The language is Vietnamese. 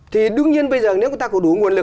thì đương nhiên bây giờ nếu chúng ta có đủ nguồn lực